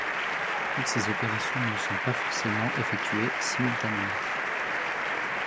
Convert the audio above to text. Toutes ces opérations ne sont pas forcément effectuées simultanément.